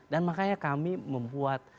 dan makanya kami membuat